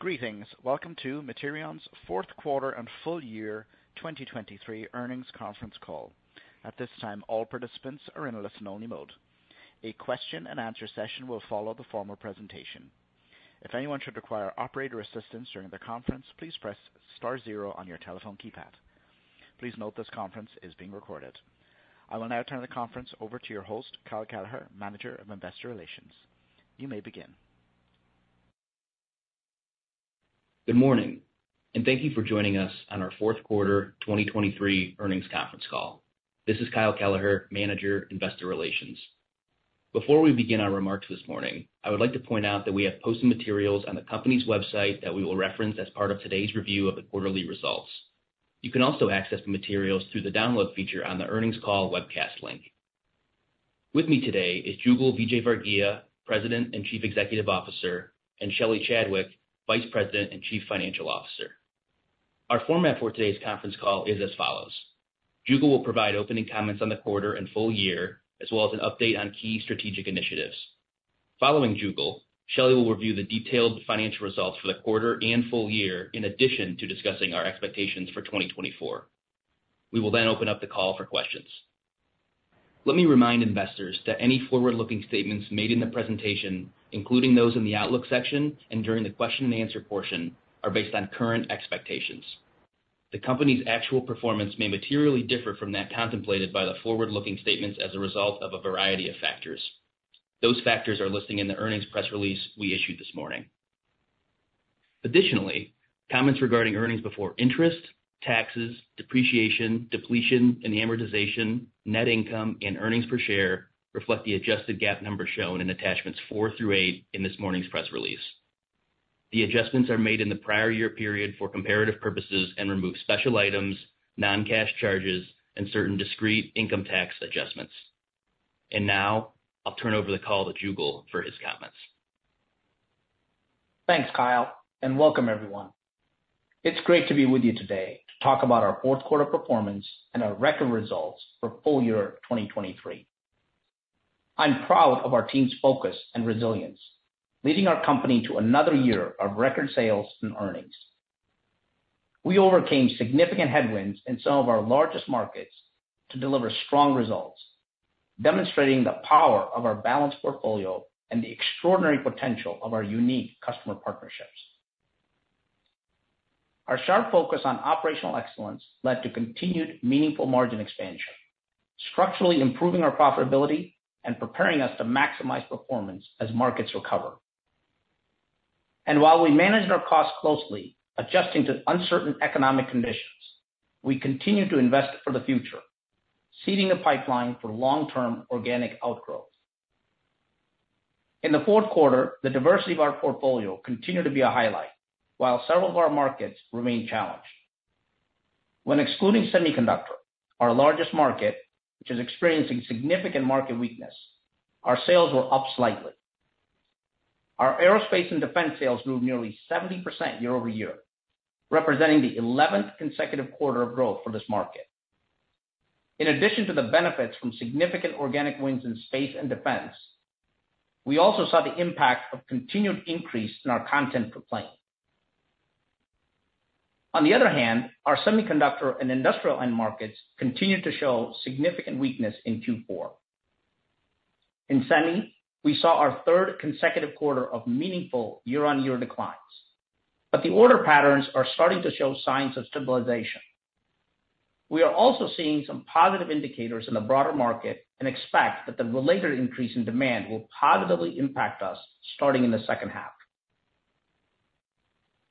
Greetings. Welcome to Materion's fourth quarter and full year 2023 earnings conference call. At this time, all participants are in listen-only mode. A question-and-answer session will follow the formal presentation. If anyone should require operator assistance during the conference, please press star zero on your telephone keypad. Please note this conference is being recorded. I will now turn the conference over to your host, Kyle Kelleher, Manager of Investor Relations. You may begin. Good morning, and thank you for joining us on our fourth quarter 2023 earnings conference call. This is Kyle Kelleher, Manager, Investor Relations. Before we begin our remarks this morning, I would like to point out that we have posted materials on the company's website that we will reference as part of today's review of the quarterly results. You can also access the materials through the download feature on the earnings call webcast link. With me today is Jugal Vijayvargiya, President and Chief Executive Officer, and Shelly Chadwick, Vice President and Chief Financial Officer. Our format for today's conference call is as follows: Jugal will provide opening comments on the quarter and full year, as well as an update on key strategic initiatives. Following Jugal, Shelly will review the detailed financial results for the quarter and full year in addition to discussing our expectations for 2024. We will then open up the call for questions. Let me remind investors that any forward-looking statements made in the presentation, including those in the Outlook section and during the question-and-answer portion, are based on current expectations. The company's actual performance may materially differ from that contemplated by the forward-looking statements as a result of a variety of factors. Those factors are listed in the earnings press release we issued this morning. Additionally, comments regarding earnings before interest, taxes, depreciation, depletion, and amortization, net income, and earnings per share reflect the adjusted GAAP numbers shown in attachments 4 through 8 in this morning's press release. The adjustments are made in the prior year period for comparative purposes and remove special items, non-cash charges, and certain discrete income tax adjustments. Now I'll turn over the call to Jugal for his comments. Thanks, Kyle, and welcome, everyone. It's great to be with you today to talk about our fourth quarter performance and our record results for full year 2023. I'm proud of our team's focus and resilience, leading our company to another year of record sales and earnings. We overcame significant headwinds in some of our largest markets to deliver strong results, demonstrating the power of our balanced portfolio and the extraordinary potential of our unique customer partnerships. Our sharp focus on operational excellence led to continued meaningful margin expansion, structurally improving our profitability and preparing us to maximize performance as markets recover. And while we managed our costs closely, adjusting to uncertain economic conditions, we continued to invest for the future, seeding a pipeline for long-term organic outgrowth. In the fourth quarter, the diversity of our portfolio continued to be a highlight while several of our markets remained challenged. When excluding semiconductor, our largest market, which is experiencing significant market weakness, our sales were up slightly. Our aerospace and defense sales grew nearly 70% year-over-year, representing the 11th consecutive quarter of growth for this market. In addition to the benefits from significant organic wins in space and defense, we also saw the impact of continued increase in our content per plane. On the other hand, our semiconductor and industrial end markets continued to show significant weakness in Q4. In semi, we saw our third consecutive quarter of meaningful year-over-year declines, but the order patterns are starting to show signs of stabilization. We are also seeing some positive indicators in the broader market and expect that the related increase in demand will positively impact us starting in the second half.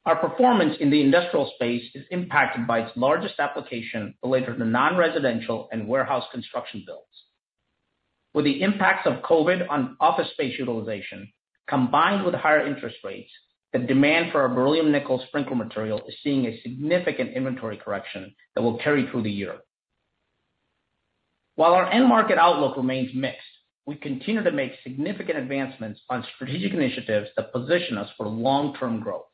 Our performance in the industrial space is impacted by its largest application related to non-residential and warehouse construction builds. With the impacts of COVID on office space utilization combined with higher interest rates, the demand for our Beryllium Nickel sprinkler material is seeing a significant inventory correction that will carry through the year. While our end market outlook remains mixed, we continue to make significant advancements on strategic initiatives that position us for long-term growth.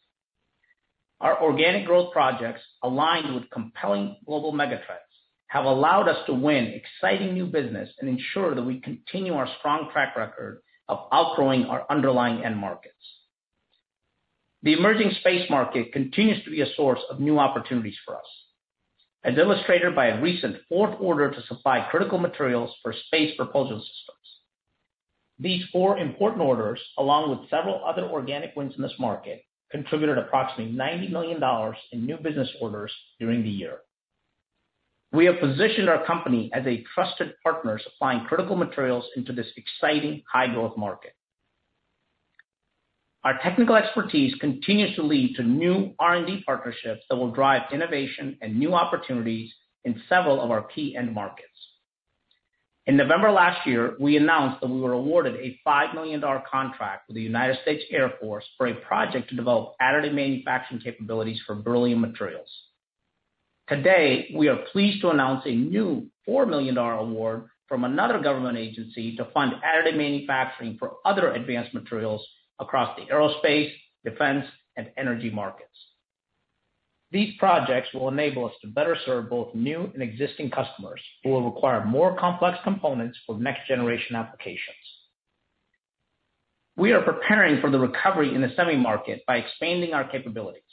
Our organic growth projects, aligned with compelling global megatrends, have allowed us to win exciting new business and ensure that we continue our strong track record of outgrowing our underlying end markets. The emerging space market continues to be a source of new opportunities for us, as illustrated by a recent fourth order to supply critical materials for space propulsion systems. These four important orders, along with several other organic wins in this market, contributed approximately $90 million in new business orders during the year. We have positioned our company as a trusted partner supplying critical materials into this exciting high-growth market. Our technical expertise continues to lead to new R&D partnerships that will drive innovation and new opportunities in several of our key end markets. In November last year, we announced that we were awarded a $5 million contract with the United States Air Force for a project to develop additive manufacturing capabilities for beryllium materials. Today, we are pleased to announce a new $4 million award from another government agency to fund additive manufacturing for other advanced materials across the aerospace, defense, and energy markets. These projects will enable us to better serve both new and existing customers who will require more complex components for next-generation applications. We are preparing for the recovery in the semi market by expanding our capabilities.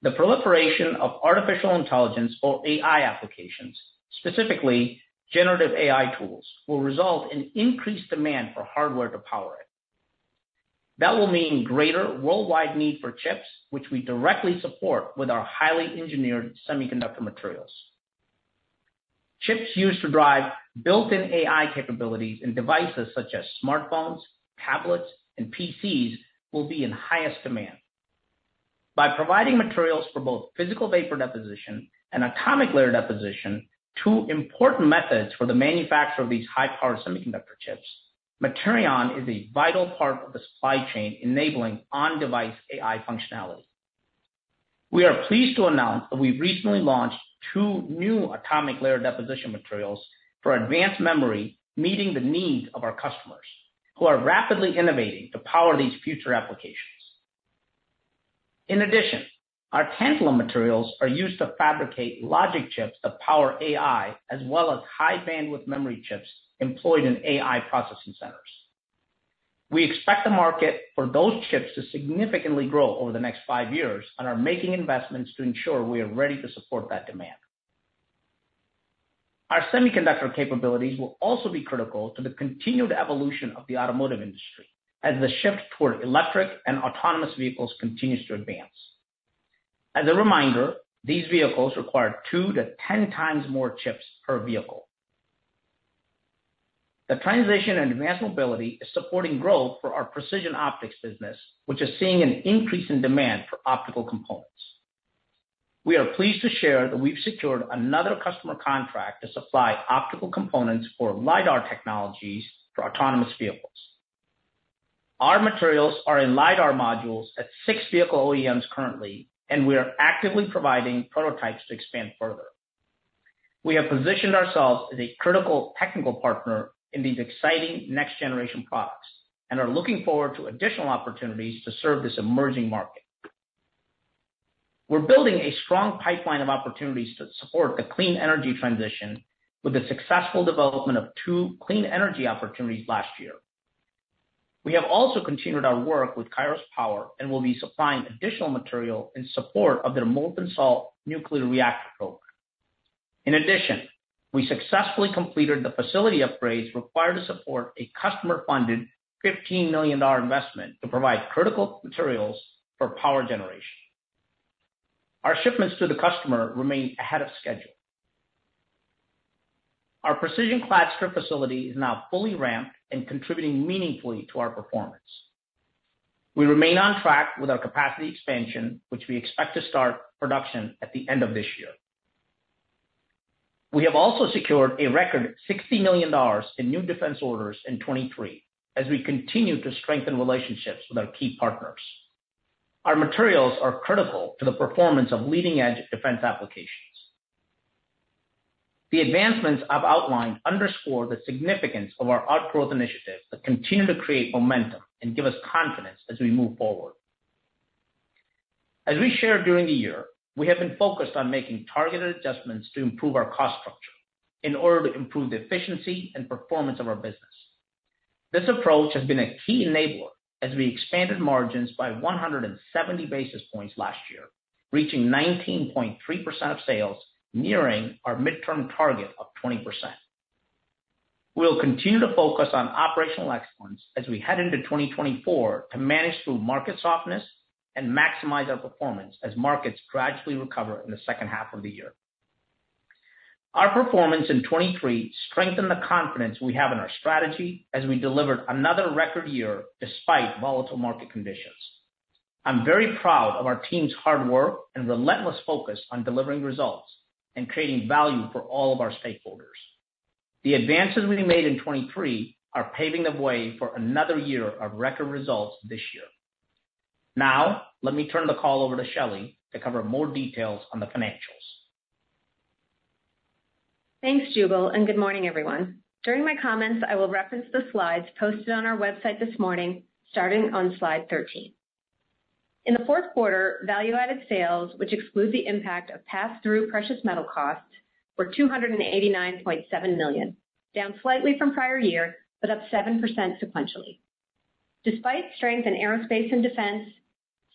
The proliferation of artificial intelligence, or AI, applications, specifically generative AI tools, will result in increased demand for hardware to power it. That will mean greater worldwide need for chips, which we directly support with our highly engineered semiconductor materials. Chips used to drive built-in AI capabilities in devices such as smartphones, tablets, and PCs will be in highest demand. By providing materials for both physical vapor deposition and atomic layer deposition, two important methods for the manufacture of these high-powered semiconductor chips, Materion is a vital part of the supply chain enabling on-device AI functionality. We are pleased to announce that we've recently launched two new atomic layer deposition materials for advanced memory, meeting the needs of our customers, who are rapidly innovating to power these future applications. In addition, our tantalum materials are used to fabricate logic chips that power AI, as well as high-bandwidth memory chips employed in AI processing centers. We expect the market for those chips to significantly grow over the next five years and are making investments to ensure we are ready to support that demand. Our semiconductor capabilities will also be critical to the continued evolution of the automotive industry as the shift toward electric and autonomous vehicles continues to advance. As a reminder, these vehicles require 2-10 times more chips per vehicle. The Transition and Advanced Mobility is supporting growth for our precision optics business, which is seeing an increase in demand for optical components. We are pleased to share that we've secured another customer contract to supply optical components for LiDAR technologies for autonomous vehicles. Our materials are in LiDAR modules at 6 vehicle OEMs currently, and we are actively providing prototypes to expand further. We have positioned ourselves as a critical technical partner in these exciting next-generation products and are looking forward to additional opportunities to serve this emerging market. We're building a strong pipeline of opportunities to support the clean energy transition with the successful development of 2 clean energy opportunities last year. We have also continued our work with Kairos Power and will be supplying additional material in support of their molten salt nuclear reactor program. In addition, we successfully completed the facility upgrades required to support a customer-funded $15 million investment to provide critical materials for power generation. Our shipments to the customer remain ahead of schedule. Our Precision Clad Strip facility is now fully ramped and contributing meaningfully to our performance. We remain on track with our capacity expansion, which we expect to start production at the end of this year. We have also secured a record $60 million in new defense orders in 2023 as we continue to strengthen relationships with our key partners. Our materials are critical to the performance of leading-edge defense applications. The advancements I've outlined underscore the significance of our outgrowth initiatives that continue to create momentum and give us confidence as we move forward. As we shared during the year, we have been focused on making targeted adjustments to improve our cost structure in order to improve the efficiency and performance of our business. This approach has been a key enabler as we expanded margins by 170 basis points last year, reaching 19.3% of sales, nearing our midterm target of 20%. We will continue to focus on operational excellence as we head into 2024 to manage through market softness and maximize our performance as markets gradually recover in the second half of the year. Our performance in 2023 strengthened the confidence we have in our strategy as we delivered another record year despite volatile market conditions. I'm very proud of our team's hard work and relentless focus on delivering results and creating value for all of our stakeholders. The advances we made in 2023 are paving the way for another year of record results this year. Now let me turn the call over to Shelly to cover more details on the financials. Thanks, Jugal, and good morning, everyone. During my comments, I will reference the slides posted on our website this morning, starting on slide 13. In the fourth quarter, Value-Added Sales, which exclude the impact of pass-through precious metal costs, were $289.7 million, down slightly from prior year but up 7% sequentially. Despite strength in aerospace and defense,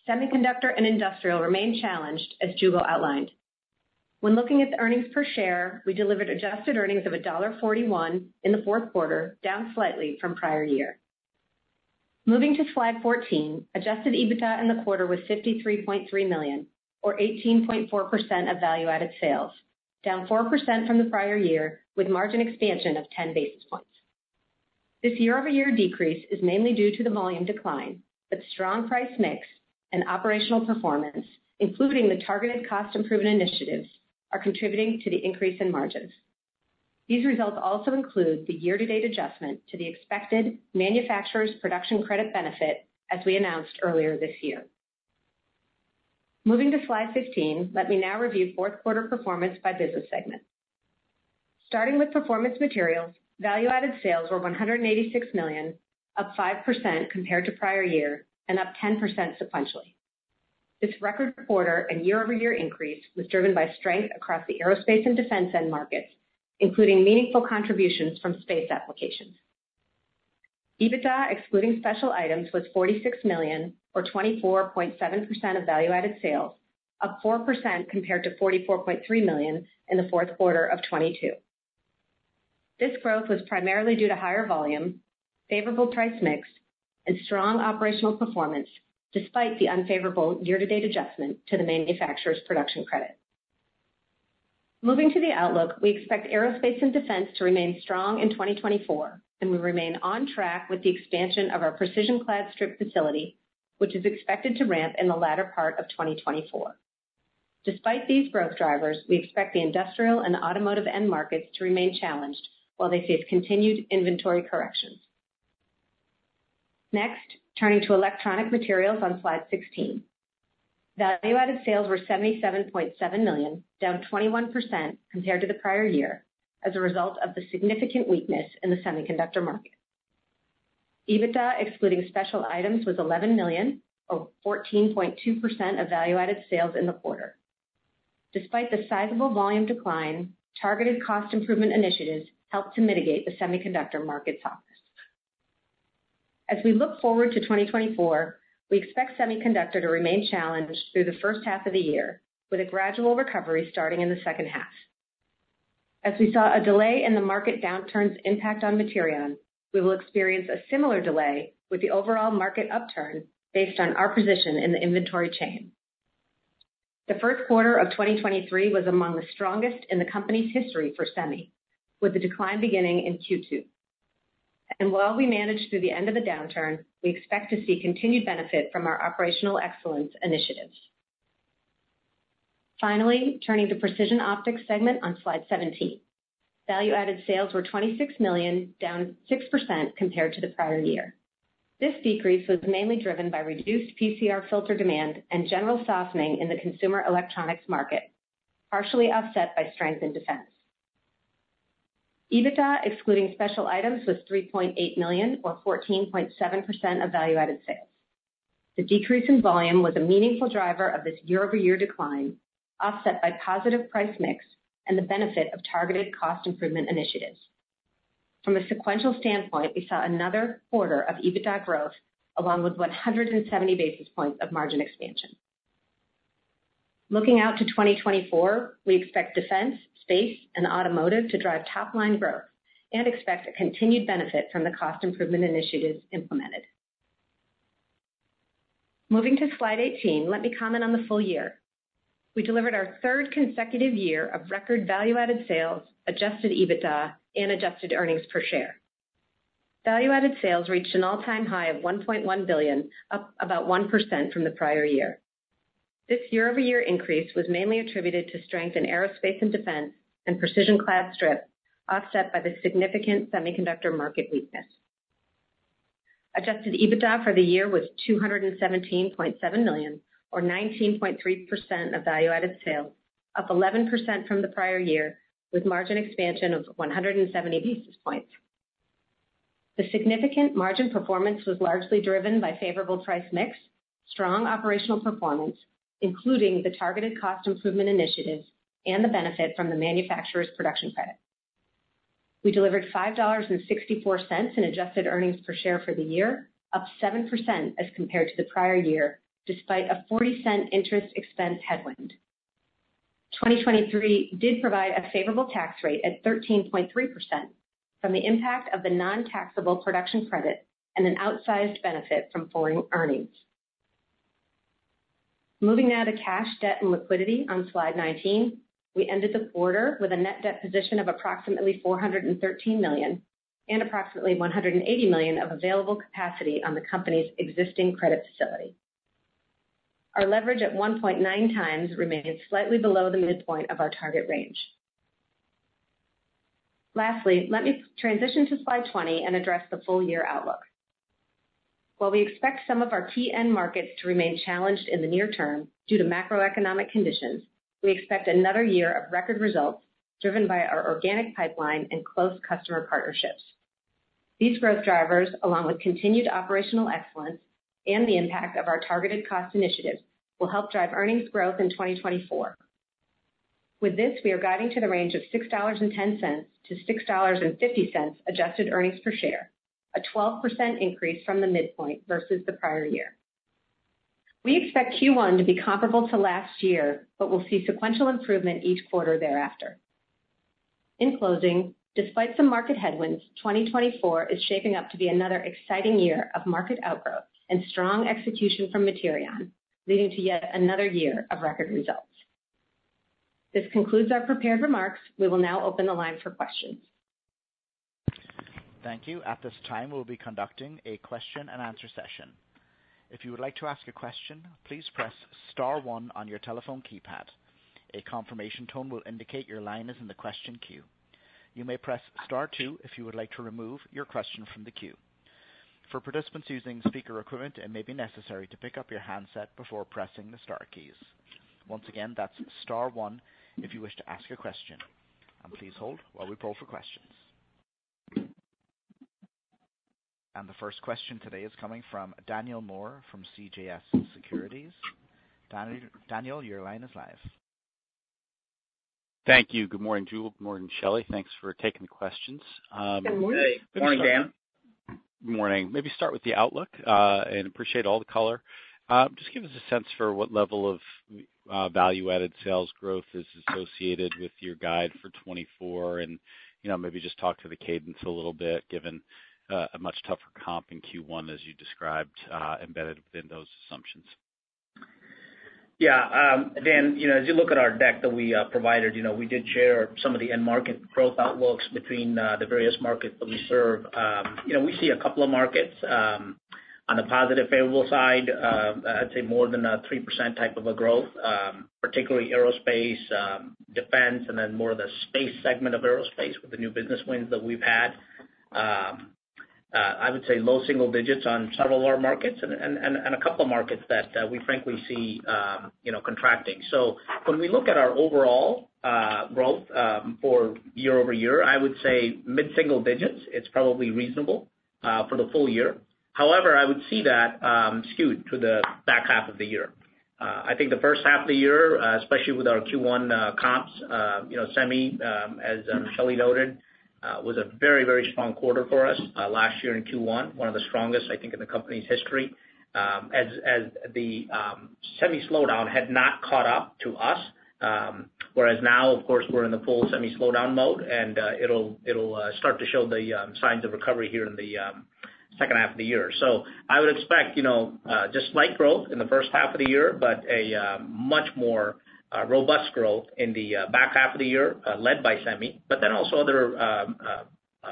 semiconductor and industrial remained challenged, as Jugal outlined. When looking at the earnings per share, we delivered adjusted earnings of $1.41 in the fourth quarter, down slightly from prior year. Moving to slide 14, adjusted EBITDA in the quarter was $53.3 million, or 18.4% of Value-Added Sales, down 4% from the prior year with margin expansion of 10 basis points. This year-over-year decrease is mainly due to the volume decline, but strong price mix and operational performance, including the targeted cost improvement initiatives, are contributing to the increase in margins. These results also include the year-to-date adjustment to the expected manufacturer's production credit benefit, as we announced earlier this year. Moving to slide 15, let me now review fourth quarter performance by business segment. Starting with performance materials, value-added sales were $186 million, up 5% compared to prior year and up 10% sequentially. This record quarter and year-over-year increase was driven by strength across the aerospace and defense end markets, including meaningful contributions from space applications. EBITDA excluding special items was $46 million, or 24.7% of value-added sales, up 4% compared to $44.3 million in the fourth quarter of 2022. This growth was primarily due to higher volume, favorable price mix, and strong operational performance despite the unfavorable year-to-date adjustment to the manufacturer's production credit. Moving to the outlook, we expect aerospace and defense to remain strong in 2024, and we remain on track with the expansion of our Precision Clad Strip facility, which is expected to ramp in the latter part of 2024. Despite these growth drivers, we expect the industrial and automotive end markets to remain challenged while they face continued inventory corrections. Next, turning to electronic materials on slide 16. Value-added sales were $77.7 million, down 21% compared to the prior year as a result of the significant weakness in the semiconductor market. EBITDA excluding special items was $11 million, or 14.2% of value-added sales in the quarter. Despite the sizable volume decline, targeted cost improvement initiatives helped to mitigate the semiconductor market softness. As we look forward to 2024, we expect semiconductor to remain challenged through the first half of the year, with a gradual recovery starting in the second half. As we saw a delay in the market downturn's impact on Materion, we will experience a similar delay with the overall market upturn based on our position in the inventory chain. The first quarter of 2023 was among the strongest in the company's history for semi, with the decline beginning in Q2. While we managed through the end of the downturn, we expect to see continued benefit from our operational excellence initiatives. Finally, turning to precision optics segment on slide 17. Value-added sales were $26 million, down 6% compared to the prior year. This decrease was mainly driven by reduced PCR filter demand and general softening in the consumer electronics market, partially offset by strength in defense. EBITDA excluding special items was $3.8 million, or 14.7% of value-added sales. The decrease in volume was a meaningful driver of this year-over-year decline, offset by positive price mix and the benefit of targeted cost improvement initiatives. From a sequential standpoint, we saw another quarter of EBITDA growth along with 170 basis points of margin expansion. Looking out to 2024, we expect defense, space, and automotive to drive top-line growth and expect a continued benefit from the cost improvement initiatives implemented. Moving to slide 18, let me comment on the full year. We delivered our third consecutive year of record Value-Added Sales, adjusted EBITDA, and adjusted earnings per share. Value-Added Sales reached an all-time high of $1.1 billion, up about 1% from the prior year. This year-over-year increase was mainly attributed to strength in aerospace and defense and Precision Clad Strip, offset by the significant semiconductor market weakness. Adjusted EBITDA for the year was $217.7 million, or 19.3% of Value-Added Sales, up 11% from the prior year with margin expansion of 170 basis points. The significant margin performance was largely driven by favorable price mix, strong operational performance, including the targeted cost improvement initiatives, and the benefit from the manufacturer's production credit. We delivered $5.64 in adjusted earnings per share for the year, up 7% as compared to the prior year despite a $0.40 interest expense headwind. 2023 did provide a favorable tax rate at 13.3% from the impact of the non-taxable production credit and an outsized benefit from foreign earnings. Moving now to cash, debt, and liquidity on Slide 19, we ended the quarter with a net debt position of approximately $413 million and approximately $180 million of available capacity on the company's existing credit facility. Our leverage at 1.9x remains slightly below the midpoint of our target range. Lastly, let me transition to slide 20 and address the full-year outlook. While we expect some of our key end markets to remain challenged in the near term due to macroeconomic conditions, we expect another year of record results driven by our organic pipeline and close customer partnerships. These growth drivers, along with continued operational excellence and the impact of our targeted cost initiatives, will help drive earnings growth in 2024. With this, we are guiding to the range of $6.10-$6.50 adjusted earnings per share, a 12% increase from the midpoint versus the prior year. We expect Q1 to be comparable to last year, but we'll see sequential improvement each quarter thereafter. In closing, despite some market headwinds, 2024 is shaping up to be another exciting year of market outgrowth and strong execution from Materion, leading to yet another year of record results. This concludes our prepared remarks. We will now open the line for questions. Thank you. At this time, we'll be conducting a question-and-answer session. If you would like to ask a question, please press star one on your telephone keypad. A confirmation tone will indicate your line is in the question queue. You may press star two if you would like to remove your question from the queue. For participants using speaker equipment, it may be necessary to pick up your handset before pressing the star keys. Once again, that's star one if you wish to ask a question. Please hold while we pull for questions. The first question today is coming from Daniel Moore from CJS Securities. Daniel, your line is live. Thank you. Good morning, Jugal. Good morning, Shelly. Thanks for taking the questions. Good morning. Hey. Good morning, Dan. Good morning. Maybe start with the outlook and appreciate all the caller. Just give us a sense for what level of Value-Added Sales growth is associated with your guide for 2024 and maybe just talk to the cadence a little bit given a much tougher comp in Q1 as you described embedded within those assumptions. Yeah. Dan, as you look at our deck that we provided, we did share some of the end market growth outlooks between the various markets that we serve. We see a couple of markets on the positive favorable side, I'd say more than a 3% type of a growth, particularly aerospace, defense, and then more of the space segment of aerospace with the new business wins that we've had. I would say low single digits on several of our markets and a couple of markets that we frankly see contracting. So when we look at our overall growth for year-over-year, I would say mid-single digits, it's probably reasonable for the full year. However, I would see that skewed to the back half of the year. I think the first half of the year, especially with our Q1 comps, semi, as Shelly noted, was a very, very strong quarter for us last year in Q1, one of the strongest, I think, in the company's history as the semi slowdown had not caught up to us. Whereas now, of course, we're in the full semi slowdown mode, and it'll start to show the signs of recovery here in the second half of the year. So I would expect just slight growth in the first half of the year, but a much more robust growth in the back half of the year led by semi, but then also other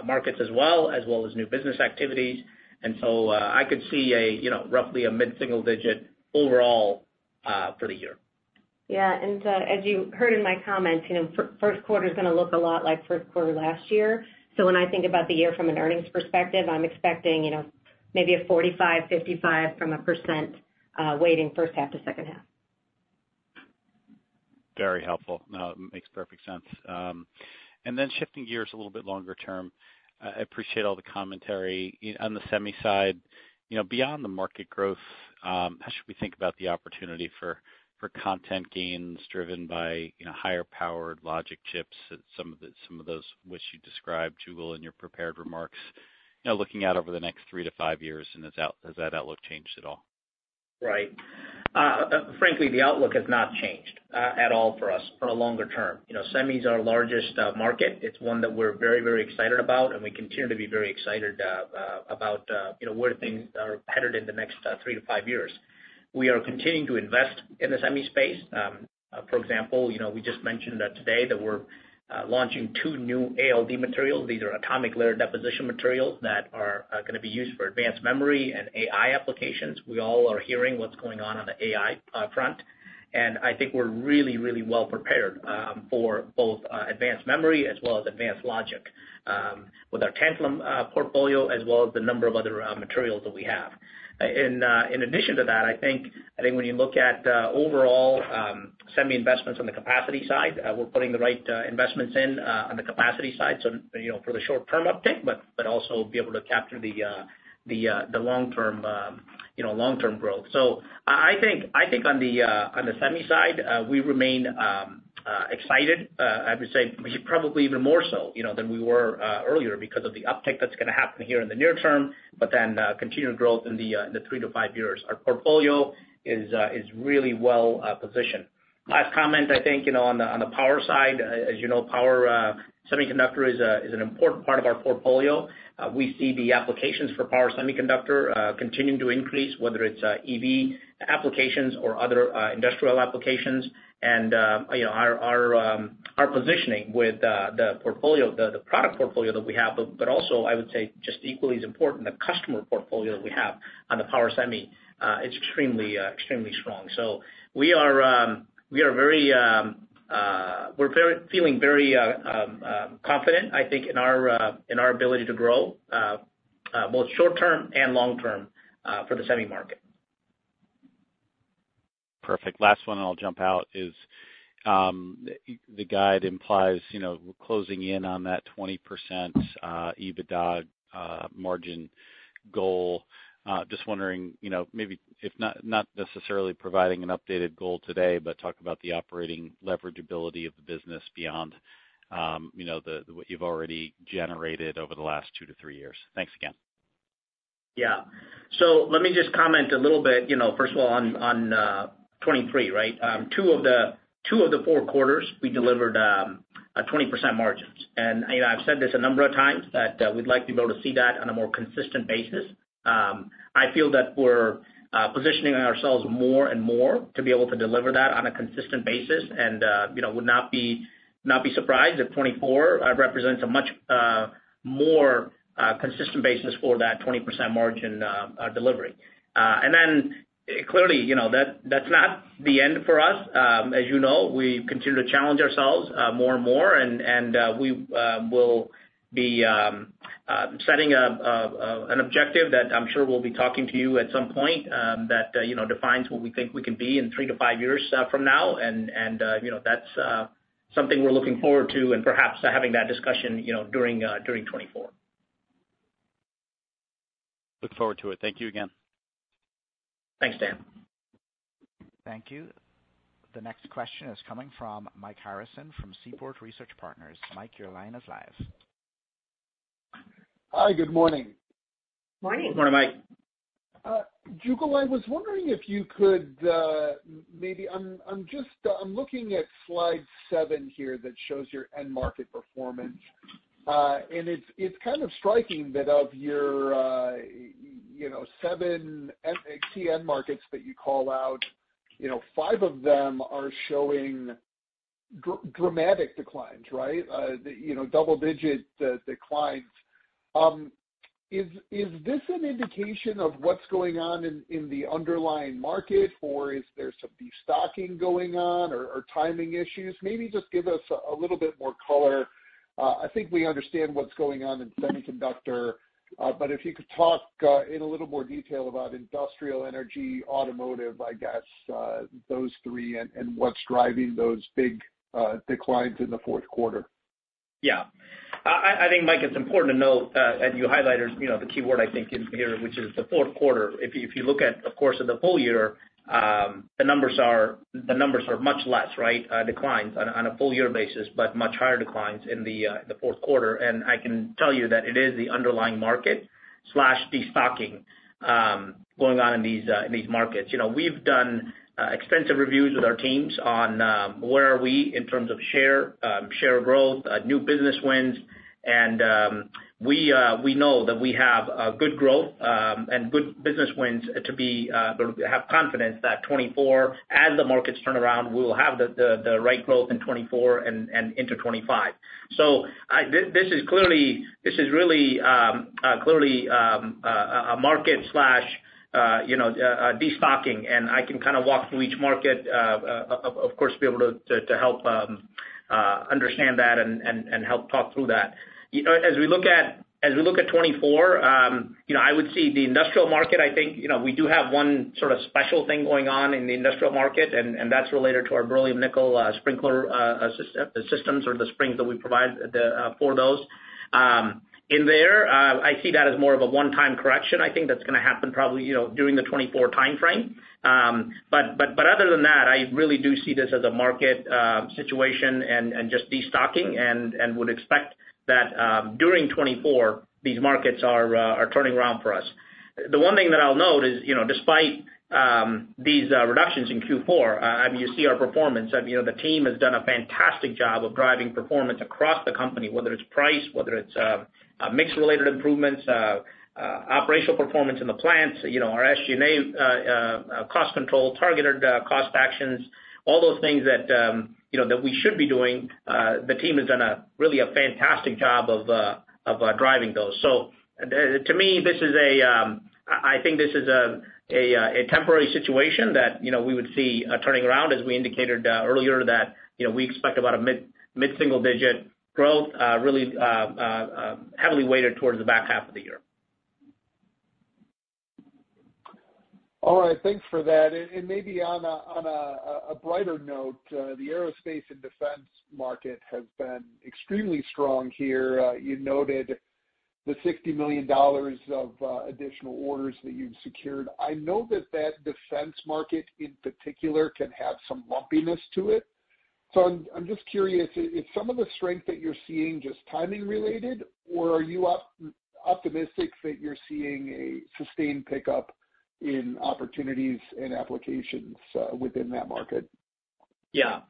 markets as well, as well as new business activities. And so I could see roughly a mid-single digit overall for the year. Yeah. As you heard in my comments, first quarter is going to look a lot like first quarter last year. When I think about the year from an earnings perspective, I'm expecting maybe a 45%-55% weighting first half to second half. Very helpful. No, it makes perfect sense. And then shifting gears a little bit longer term, I appreciate all the commentary. On the semi side, beyond the market growth, how should we think about the opportunity for content gains driven by higher-powered logic chips, some of those which you described, Jugal, in your prepared remarks, looking out over the next 3-5 years? And has that outlook changed at all? Right. Frankly, the outlook has not changed at all for us for the longer term. Semi is our largest market. It's one that we're very, very excited about, and we continue to be very excited about where things are headed in the next three to five years. We are continuing to invest in the semi space. For example, we just mentioned today that we're launching two new ALD materials. These are atomic layer deposition materials that are going to be used for advanced memory and AI applications. We all are hearing what's going on on the AI front. And I think we're really, really well prepared for both advanced memory as well as advanced logic with our Tantalum portfolio as well as the number of other materials that we have. In addition to that, I think when you look at overall semi investments on the capacity side, we're putting the right investments in on the capacity side for the short-term uptick, but also be able to capture the long-term growth. So I think on the semi side, we remain excited. I would say probably even more so than we were earlier because of the uptick that's going to happen here in the near term, but then continued growth in the 3-5 years. Our portfolio is really well positioned. Last comment, I think, on the power side. As you know, power semiconductor is an important part of our portfolio. We see the applications for power semiconductor continuing to increase, whether it's EV applications or other industrial applications. Our positioning with the product portfolio that we have, but also I would say just equally as important, the customer portfolio that we have on the power semi, it's extremely strong. We are very we're feeling very confident, I think, in our ability to grow both short-term and long-term for the semi market. Perfect. Last one I'll jump out is the guide implies closing in on that 20% EBITDA margin goal. Just wondering maybe if not necessarily providing an updated goal today, but talk about the operating leverageability of the business beyond what you've already generated over the last two to three years. Thanks again. Yeah. So let me just comment a little bit, first of all, on 2023, right? 2 of the 4 quarters, we delivered 20% margins. And I've said this a number of times, that we'd like to be able to see that on a more consistent basis. I feel that we're positioning ourselves more and more to be able to deliver that on a consistent basis and would not be surprised if 2024 represents a much more consistent basis for that 20% margin delivery. And then clearly, that's not the end for us. As you know, we continue to challenge ourselves more and more, and we will be setting an objective that I'm sure we'll be talking to you at some point that defines what we think we can be in 3-5 years from now. And that's something we're looking forward to and perhaps having that discussion during 2024. Look forward to it. Thank you again. Thanks, Dan. Thank you. The next question is coming from Mike Harrison from Seaport Research Partners. Mike, your line is live. Hi. Good morning. Morning. Morning, Mike. Jugal, I was wondering if you could maybe I'm looking at slide 7 here that shows your end market performance. And it's kind of striking that of your 7 key end markets that you call out, 5 of them are showing dramatic declines, right? Double-digit declines. Is this an indication of what's going on in the underlying market, or is there some de-stocking going on or timing issues? Maybe just give us a little bit more color. I think we understand what's going on in semiconductor, but if you could talk in a little more detail about industrial, energy, automotive, I guess, those three and what's driving those big declines in the fourth quarter. Yeah. I think, Mike, it's important to note that you highlighted the key word, I think, here, which is the fourth quarter. If you look at, of course, the full year, the numbers are much less, right, declines on a full-year basis, but much higher declines in the fourth quarter. I can tell you that it is the underlying market de-stocking going on in these markets. We've done extensive reviews with our teams on where are we in terms of share growth, new business wins. We know that we have good growth and good business wins to be have confidence that 2024, as the markets turn around, we will have the right growth in 2024 and into 2025. So this is clearly this is really clearly a market de-stocking. I can kind of walk through each market, of course, be able to help understand that and help talk through that. As we look at 2024, I would see the industrial market, I think we do have one sort of special thing going on in the industrial market, and that's related to our Beryllium Nickel sprinkler systems or the springs that we provide for those. In there, I see that as more of a one-time correction, I think, that's going to happen probably during the 2024 timeframe. But other than that, I really do see this as a market situation and just de-stocking and would expect that during 2024, these markets are turning around for us. The one thing that I'll note is despite these reductions in Q4, I mean, you see our performance. The team has done a fantastic job of driving performance across the company, whether it's price, whether it's mix-related improvements, operational performance in the plants, our SG&A cost control, targeted cost actions, all those things that we should be doing. The team has done really a fantastic job of driving those. So to me, this is, I think, a temporary situation that we would see turning around, as we indicated earlier, that we expect about a mid-single-digit growth really heavily weighted towards the back half of the year. All right. Thanks for that. And maybe on a brighter note, the aerospace and defense market has been extremely strong here. You noted the $60 million of additional orders that you've secured. I know that that defense market in particular can have some lumpiness to it. So I'm just curious, is some of the strength that you're seeing just timing-related, or are you optimistic that you're seeing a sustained pickup in opportunities and applications within that market? Yeah.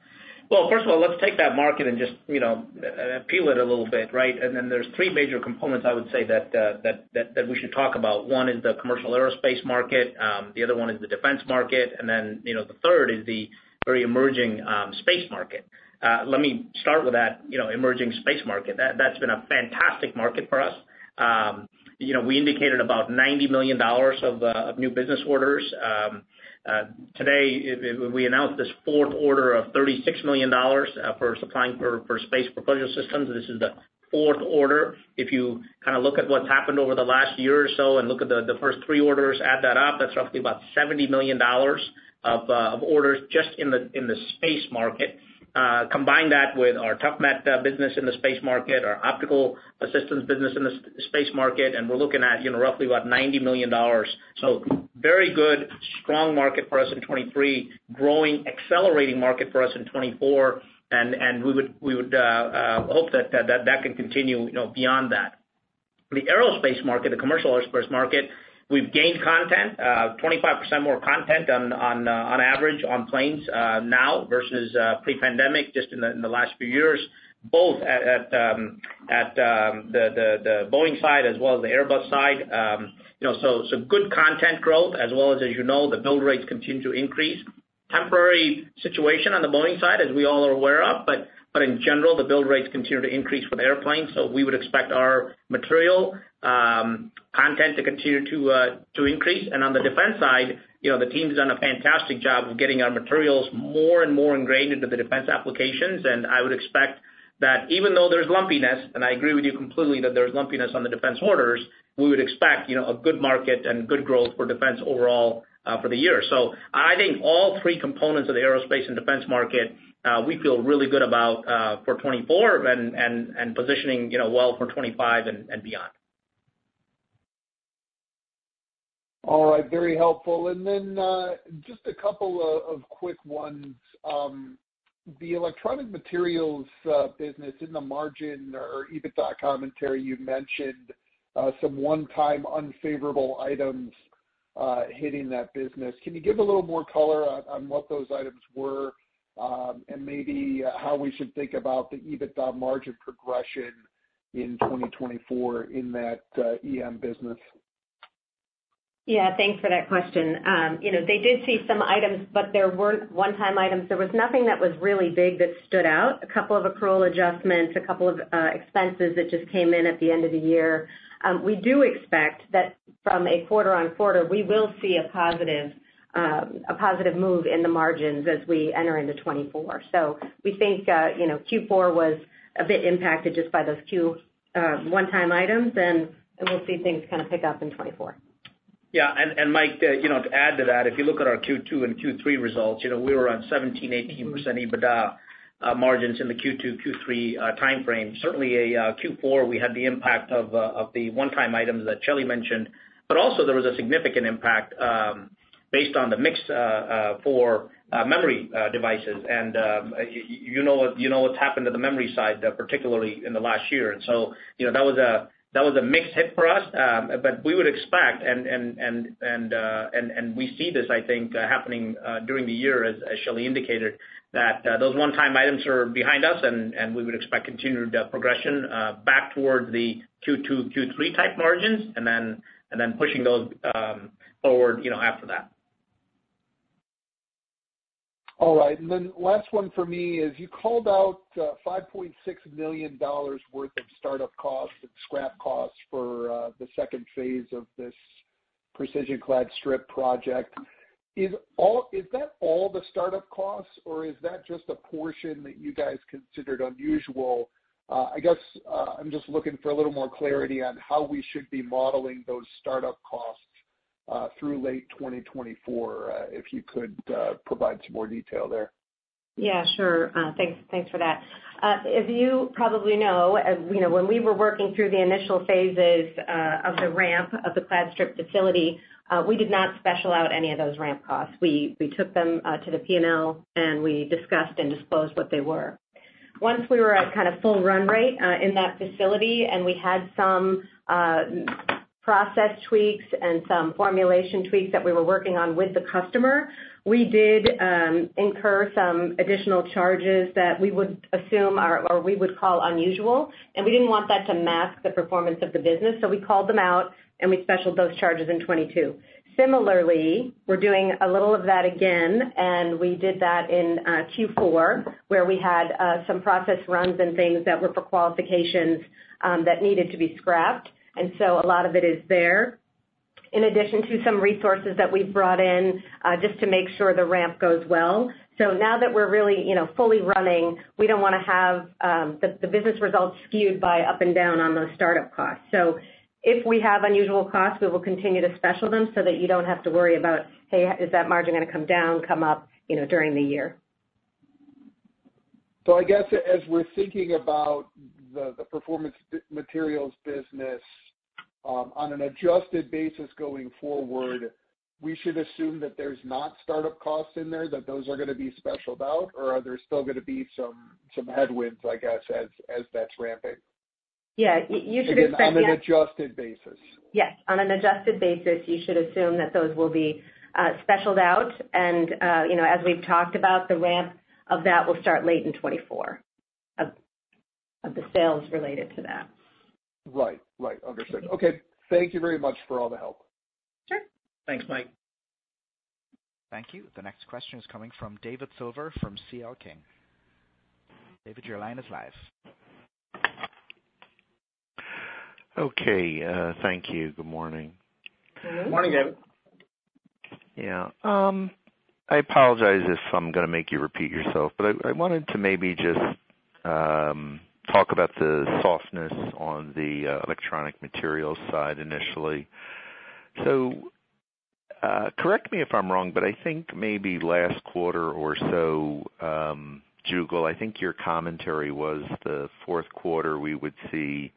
Well, first of all, let's take that market and just peel it a little bit, right? And then there's three major components, I would say, that we should talk about. One is the commercial aerospace market. The other one is the defense market. And then the third is the very emerging space market. Let me start with that emerging space market. That's been a fantastic market for us. We indicated about $90 million of new business orders. Today, we announced this fourth order of $36 million for supplying for space propulsion systems. This is the fourth order. If you kind of look at what's happened over the last year or so and look at the first three orders, add that up, that's roughly about $70 million of orders just in the space market. Combine that with our ToughMet business in the space market, our optical systems business in the space market, and we're looking at roughly about $90 million. So very good, strong market for us in 2023, growing, accelerating market for us in 2024. And we would hope that that can continue beyond that. The aerospace market, the commercial aerospace market, we've gained content, 25% more content on average on planes now versus pre-pandemic just in the last few years, both at the Boeing side as well as the Airbus side. So good content growth as well as, as you know, the build rates continue to increase. Temporary situation on the Boeing side, as we all are aware of, but in general, the build rates continue to increase for the airplanes. So we would expect our material content to continue to increase. On the defense side, the team's done a fantastic job of getting our materials more and more ingrained into the defense applications. I would expect that even though there's lumpiness, and I agree with you completely that there's lumpiness on the defense orders, we would expect a good market and good growth for defense overall for the year. I think all three components of the aerospace and defense market, we feel really good about for 2024 and positioning well for 2025 and beyond. All right. Very helpful. And then just a couple of quick ones. The electronic materials business in the margin or EBITDA commentary, you mentioned some one-time unfavorable items hitting that business. Can you give a little more color on what those items were and maybe how we should think about the EBITDA margin progression in 2024 in that EM business? Yeah. Thanks for that question. They did see some items, but there weren't one-time items. There was nothing that was really big that stood out, a couple of accrual adjustments, a couple of expenses that just came in at the end of the year. We do expect that from a quarter-on-quarter, we will see a positive move in the margins as we enter into 2024. So we think Q4 was a bit impacted just by those one-time items, and we'll see things kind of pick up in 2024. Yeah. And Mike, to add to that, if you look at our Q2 and Q3 results, we were on 17%-18% EBITDA margins in the Q2, Q3 timeframe. Certainly, in Q4, we had the impact of the one-time items that Shelly mentioned, but also there was a significant impact based on the mix for memory devices. And you know what's happened to the memory side, particularly in the last year. And so that was a mixed hit for us. But we would expect and we see this, I think, happening during the year, as Shelly indicated, that those one-time items are behind us, and we would expect continued progression back towards the Q2, Q3 type margins and then pushing those forward after that. All right. And then last one for me is you called out $5.6 million worth of startup costs and scrap costs for the second phase of this Precision Clad Strip project. Is that all the startup costs, or is that just a portion that you guys considered unusual? I guess I'm just looking for a little more clarity on how we should be modeling those startup costs through late 2024, if you could provide some more detail there. Yeah. Sure. Thanks for that. As you probably know, when we were working through the initial phases of the ramp of the Clad Strip facility, we did not special out any of those ramp costs. We took them to the P&L, and we discussed and disclosed what they were. Once we were at kind of full run rate in that facility and we had some process tweaks and some formulation tweaks that we were working on with the customer, we did incur some additional charges that we would assume or we would call unusual. We didn't want that to mask the performance of the business. We called them out, and we specialed those charges in 2022. Similarly, we're doing a little of that again, and we did that in Q4 where we had some process runs and things that were for qualifications that needed to be scrapped. And so a lot of it is there, in addition to some resources that we've brought in just to make sure the ramp goes well. So now that we're really fully running, we don't want to have the business results skewed by up and down on those startup costs. So if we have unusual costs, we will continue to special them so that you don't have to worry about, "Hey, is that margin going to come down, come up during the year? I guess as we're thinking about the performance materials business on an adjusted basis going forward, we should assume that there's not startup costs in there, that those are going to be specialed out, or are there still going to be some headwinds, I guess, as that's ramping? Yeah. You should expect that. Again, on an adjusted basis. Yes. On an adjusted basis, you should assume that those will be specialed out. And as we've talked about, the ramp of that will start late in 2024 of the sales related to that. Right. Right. Understood. Okay. Thank you very much for all the help. Sure. Thanks, Mike. Thank you. The next question is coming from David Silver from C.L. King. David, your line is live. Okay. Thank you. Good morning. Good morning, David. Yeah. I apologize if I'm going to make you repeat yourself, but I wanted to maybe just talk about the softness on the electronic materials side initially. So correct me if I'm wrong, but I think maybe last quarter or so, Jugal, I think your commentary was the fourth quarter, we would see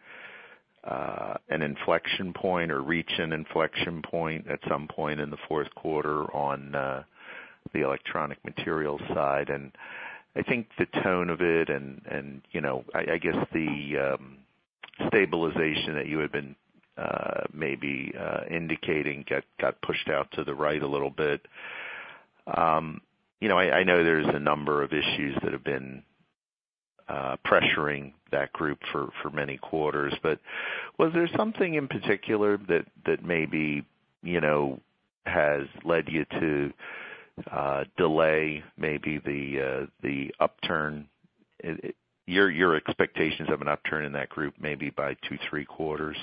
an inflection point or reach an inflection point at some point in the fourth quarter on the electronic materials side. And I think the tone of it and I guess the stabilization that you had been maybe indicating got pushed out to the right a little bit. I know there's a number of issues that have been pressuring that group for many quarters, but was there something in particular that maybe has led you to delay maybe the upturn? Your expectations of an upturn in that group maybe by two, three quarters?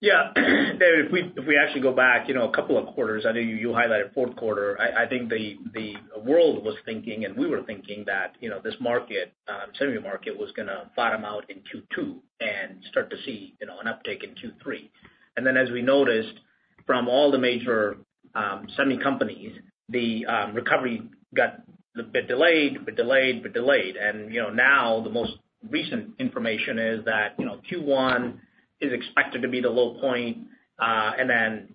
Yeah. David, if we actually go back a couple of quarters, I know you highlighted fourth quarter. I think the world was thinking, and we were thinking, that this semi-market was going to bottom out in Q2 and start to see an uptake in Q3. And then as we noticed from all the major semi-companies. The recovery got a bit delayed, a bit delayed, a bit delayed. And now the most recent information is that Q1 is expected to be the low point and then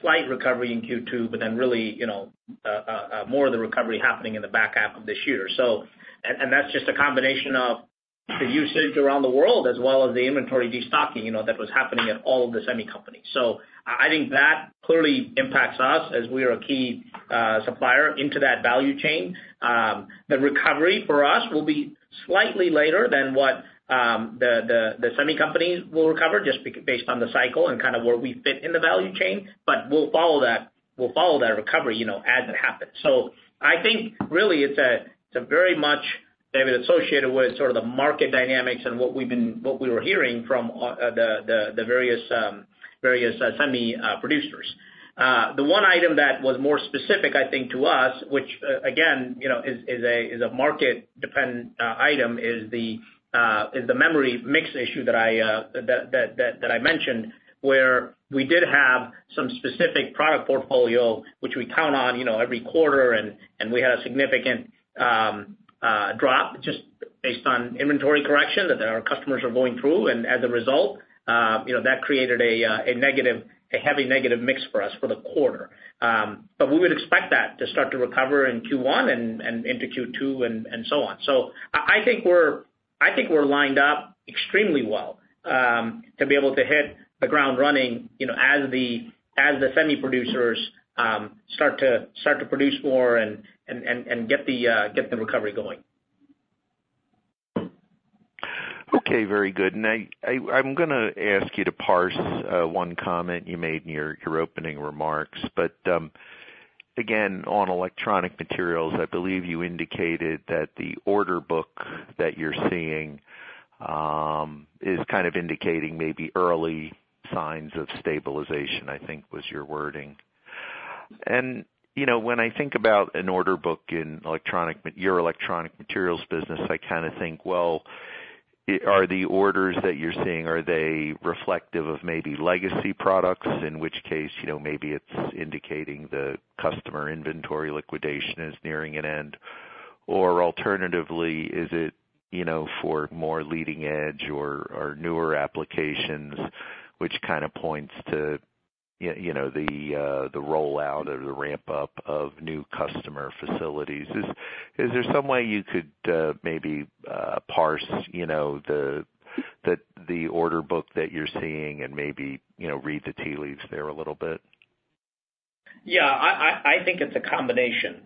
slight recovery in Q2, but then really more of the recovery happening in the back half of this year. And that's just a combination of the usage around the world as well as the inventory destocking that was happening at all of the semi-companies. So I think that clearly impacts us as we are a key supplier into that value chain. The recovery for us will be slightly later than what the semi-companies will recover just based on the cycle and kind of where we fit in the value chain, but we'll follow that recovery as it happens. So I think really, it's very much, David, associated with sort of the market dynamics and what we were hearing from the various semi-producers. The one item that was more specific, I think, to us, which again is a market-dependent item, is the memory mix issue that I mentioned where we did have some specific product portfolio which we count on every quarter, and we had a significant drop just based on inventory correction that our customers are going through. And as a result, that created a heavy negative mix for us for the quarter. But we would expect that to start to recover in Q1 and into Q2 and so on. I think we're lined up extremely well to be able to hit the ground running as the semi-producers start to produce more and get the recovery going. Okay. Very good. I'm going to ask you to parse one comment you made in your opening remarks. But again, on electronic materials, I believe you indicated that the order book that you're seeing is kind of indicating maybe early signs of stabilization, I think was your wording. And when I think about an order book in your electronic materials business, I kind of think, "Well, are the orders that you're seeing, are they reflective of maybe legacy products, in which case maybe it's indicating the customer inventory liquidation is nearing an end? Or alternatively, is it for more leading-edge or newer applications, which kind of points to the rollout or the ramp-up of new customer facilities?" Is there some way you could maybe parse the order book that you're seeing and maybe read the tea leaves there a little bit? Yeah. I think it's a combination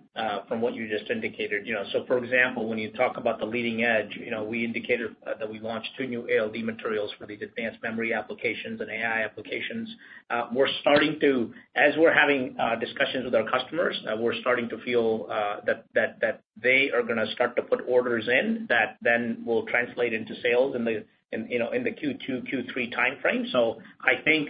from what you just indicated. So for example, when you talk about the leading edge, we indicated that we launched two new ALD materials for these advanced memory applications and AI applications. As we're having discussions with our customers, we're starting to feel that they are going to start to put orders in that then will translate into sales in the Q2, Q3 timeframe. So I think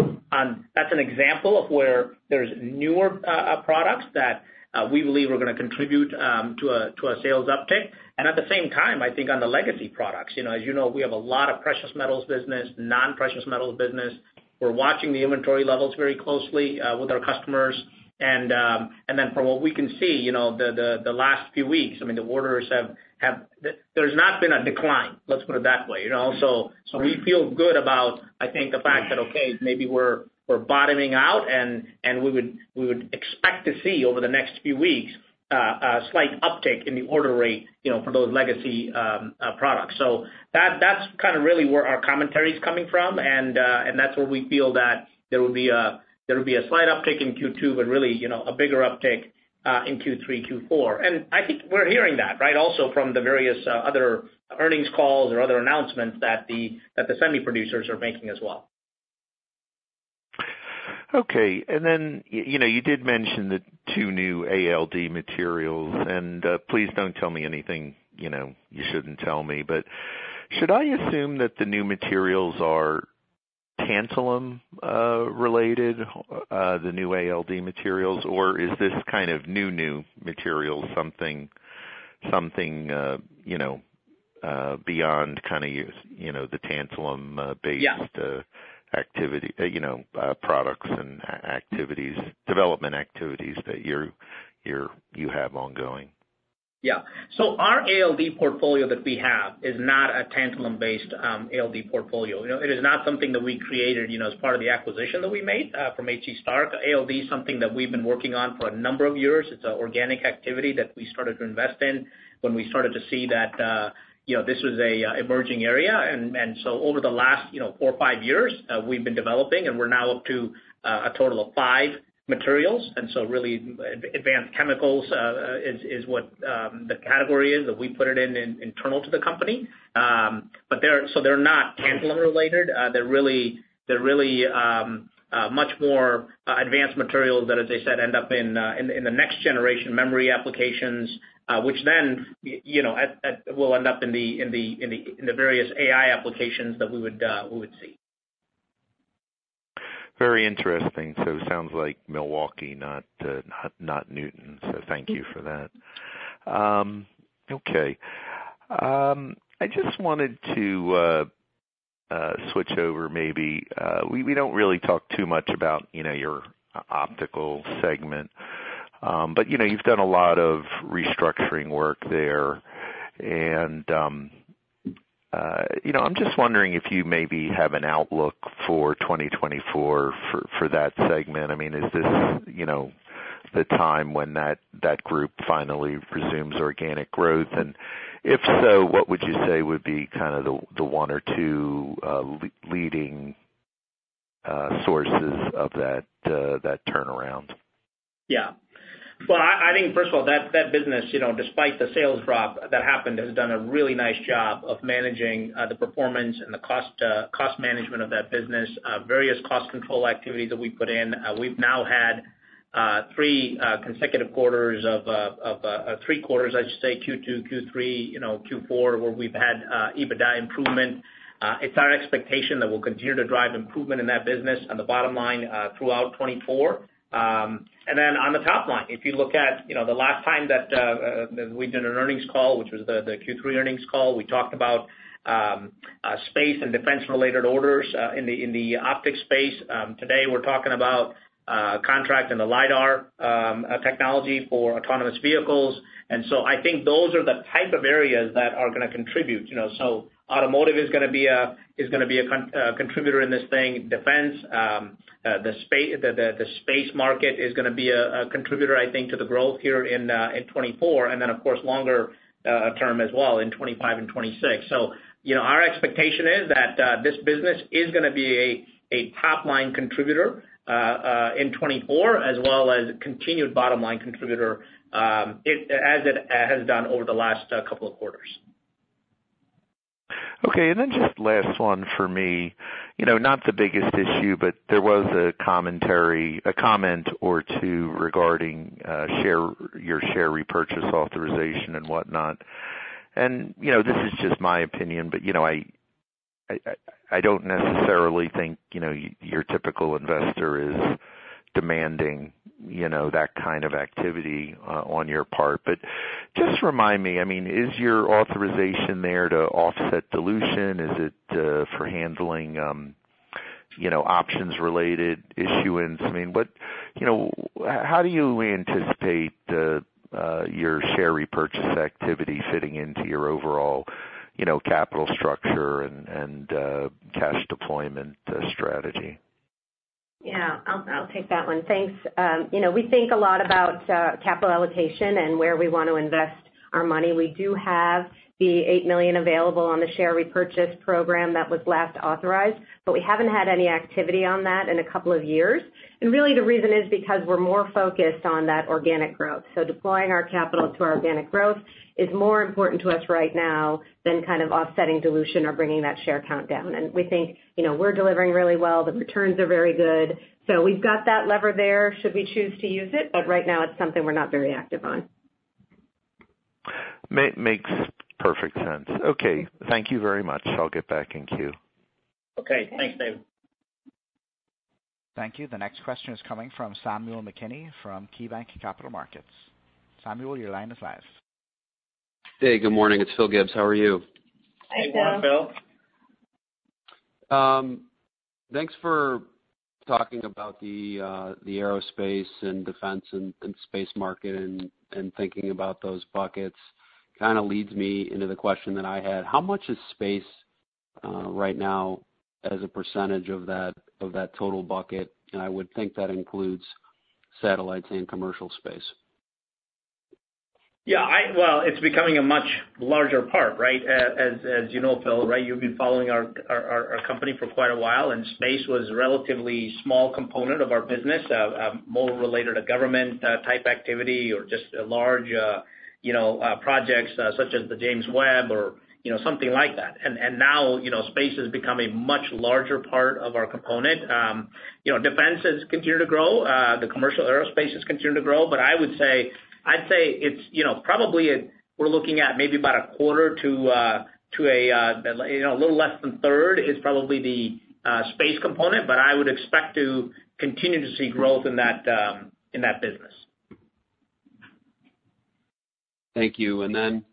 that's an example of where there's newer products that we believe are going to contribute to a sales uptick. And at the same time, I think on the legacy products, as you know, we have a lot of precious metals business, non-precious metals business. We're watching the inventory levels very closely with our customers. And then from what we can see the last few weeks, I mean, the orders have there's not been a decline, let's put it that way. So we feel good about, I think, the fact that, "Okay, maybe we're bottoming out, and we would expect to see over the next few weeks a slight uptick in the order rate for those legacy products." So that's kind of really where our commentary is coming from, and that's where we feel that there would be a slight uptick in Q2 but really a bigger uptick in Q3, Q4. And I think we're hearing that, right, also from the various other earnings calls or other announcements that the semi-producers are making as well. Okay. And then you did mention the two new ALD materials. And please don't tell me anything you shouldn't tell me. But should I assume that the new materials are tantalum-related, the new ALD materials, or is this kind of new, new materials something beyond kind of the tantalum-based products and development activities that you have ongoing? Yeah. So our ALD portfolio that we have is not a tantalum-based ALD portfolio. It is not something that we created as part of the acquisition that we made from H.C. Starck. ALD is something that we've been working on for a number of years. It's an organic activity that we started to invest in when we started to see that this was an emerging area. And so over the last four, five years, we've been developing, and we're now up to a total of five materials. And so really, advanced chemicals is what the category is that we put it in internal to the company. So they're not tantalum-related. They're really much more advanced materials that, as I said, end up in the next-generation memory applications, which then will end up in the various AI applications that we would see. Very interesting. So it sounds like Milwaukee, not Newton. So thank you for that. Okay. I just wanted to switch over maybe. We don't really talk too much about your optical segment, but you've done a lot of restructuring work there. And I'm just wondering if you maybe have an outlook for 2024 for that segment. I mean, is this the time when that group finally resumes organic growth? And if so, what would you say would be kind of the one or two leading sources of that turnaround? Yeah. Well, I think, first of all, that business, despite the sales drop that happened, has done a really nice job of managing the performance and the cost management of that business, various cost control activities that we put in. We've now had three consecutive quarters of three quarters, I should say, Q2, Q3, Q4, where we've had EBITDA improvement. It's our expectation that we'll continue to drive improvement in that business on the bottom line throughout 2024. And then on the top line, if you look at the last time that we did an earnings call, which was the Q3 earnings call, we talked about space and defense-related orders in the optics space. Today, we're talking about contracting the LiDAR technology for autonomous vehicles. And so I think those are the type of areas that are going to contribute. So automotive is going to be a contributor in this thing. Defense, the space market is going to be a contributor, I think, to the growth here in 2024 and then, of course, longer term as well in 2025 and 2026. So our expectation is that this business is going to be a top-line contributor in 2024 as well as a continued bottom-line contributor as it has done over the last couple of quarters. Okay. And then just last one for me, not the biggest issue, but there was a comment or two regarding your share repurchase authorization and whatnot. And this is just my opinion, but I don't necessarily think your typical investor is demanding that kind of activity on your part. But just remind me, I mean, is your authorization there to offset dilution? Is it for handling options-related issuance? I mean, how do you anticipate your share repurchase activity fitting into your overall capital structure and cash deployment strategy? Yeah. I'll take that one. Thanks. We think a lot about capital allocation and where we want to invest our money. We do have the $8 million available on the share repurchase program that was last authorized, but we haven't had any activity on that in a couple of years. And really, the reason is because we're more focused on that organic growth. So deploying our capital to our organic growth is more important to us right now than kind of offsetting dilution or bringing that share count down. And we think we're delivering really well. The returns are very good. So we've got that lever there should we choose to use it, but right now, it's something we're not very active on. Makes perfect sense. Okay. Thank you very much. I'll get back in queue. Okay. Thanks, David. Thank you. The next question is coming from Samuel McKinney from KeyBanc Capital Markets. Samuel, your line is live. Hey. Good morning. It's Phil Gibbs. How are you? Hi Phil. Thanks for talking about the aerospace and defense and space market and thinking about those buckets. Kind of leads me into the question that I had. How much is space right now as a percentage of that total bucket? And I would think that includes satellites and commercial space. Yeah. Well, it's becoming a much larger part, right? As you know, Phil, right, you've been following our company for quite a while, and space was a relatively small component of our business, more related to government-type activity or just large projects such as the James Webb or something like that. And now, space is becoming a much larger part of our component. Defense has continued to grow. The commercial aerospace has continued to grow. But I'd say it's probably we're looking at maybe about a quarter to a little less than a third is probably the space component, but I would expect to continue to see growth in that business. Thank you. And then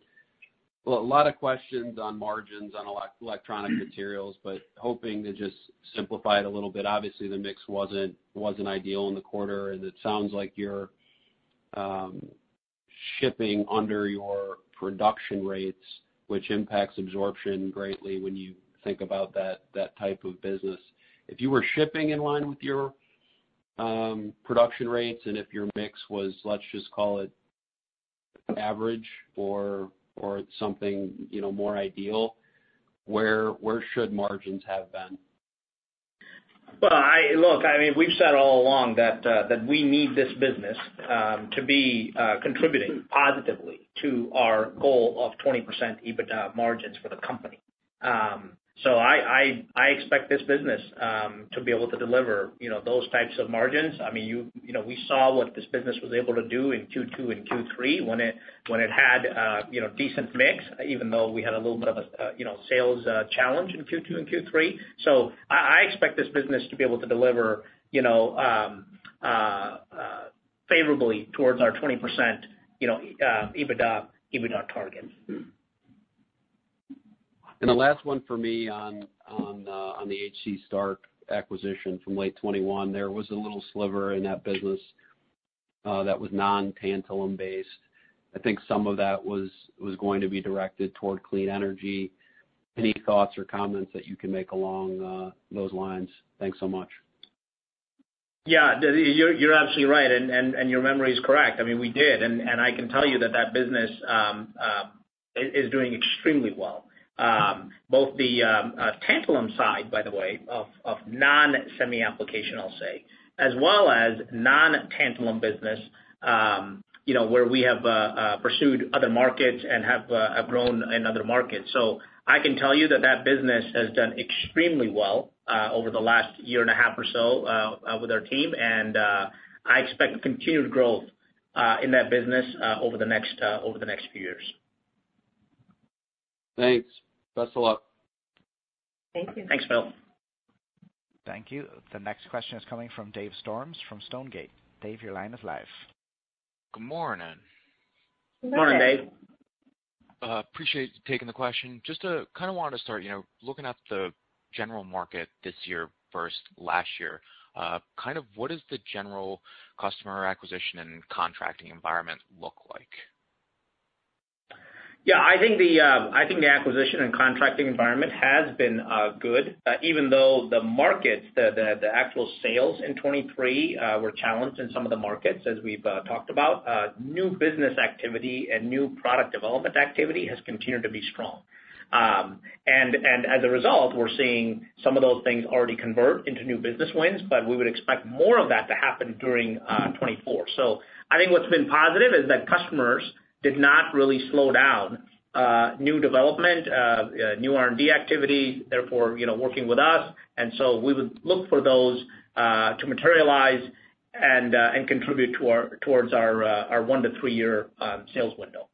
well, a lot of questions on margins on electronic materials, but hoping to just simplify it a little bit. Obviously, the mix wasn't ideal in the quarter, and it sounds like you're shipping under your production rates, which impacts absorption greatly when you think about that type of business. If you were shipping in line with your production rates and if your mix was, let's just call it, average or something more ideal, where should margins have been? Well, look, I mean, we've said all along that we need this business to be contributing positively to our goal of 20% EBITDA margins for the company. So I expect this business to be able to deliver those types of margins. I mean, we saw what this business was able to do in Q2 and Q3 when it had a decent mix, even though we had a little bit of a sales challenge in Q2 and Q3. So I expect this business to be able to deliver favorably towards our 20% EBITDA target. The last one for me on the H.C. Starck acquisition from late 2021, there was a little sliver in that business that was non-tantalum-based. I think some of that was going to be directed toward clean energy. Any thoughts or comments that you can make along those lines? Thanks so much. Yeah. You're absolutely right, and your memory is correct. I mean, we did. And I can tell you that that business is doing extremely well, both the Tantalum side, by the way, of non-semi-application, I'll say, as well as non-Tantalum business where we have pursued other markets and have grown in other markets. So I can tell you that that business has done extremely well over the last year and a half or so with our team, and I expect continued growth in that business over the next few years. Thanks. Thanks a lot. Thank you. Thanks, Phil. Thank you. The next question is coming from Dave Storms from Stonegate. Dave, your line is live. Good morning. Good morning, Dave. Appreciate taking the question. Just kind of wanted to start looking at the general market this year versus last year. Kind of what does the general customer acquisition and contracting environment look like? Yeah. I think the acquisition and contracting environment has been good, even though the actual sales in 2023 were challenged in some of the markets, as we've talked about. New business activity and new product development activity has continued to be strong. And as a result, we're seeing some of those things already convert into new business wins, but we would expect more of that to happen during 2024. So I think what's been positive is that customers did not really slow down new development, new R&D activities, therefore working with us. And so we would look for those to materialize and contribute towards our one to three-year sales window.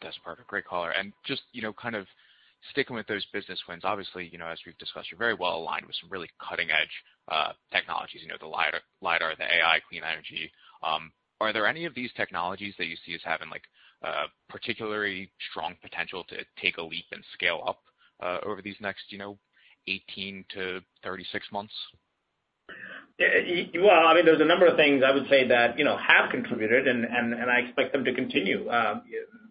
That's perfect. Great caller. And just kind of sticking with those business wins, obviously, as we've discussed, you're very well aligned with some really cutting-edge technologies, the LiDAR, the AI, clean energy. Are there any of these technologies that you see as having particularly strong potential to take a leap and scale up over these next 18-36 months? You are. I mean, there's a number of things, I would say, that have contributed, and I expect them to continue.